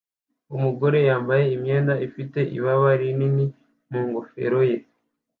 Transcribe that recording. Umugore yambaye imyenda ifite ibaba rinini mu ngofero ye